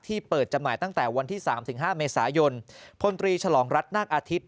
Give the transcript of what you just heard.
เปิดจำหน่ายตั้งแต่วันที่สามถึงห้าเมษายนพลตรีฉลองรัฐนาคอาทิตย์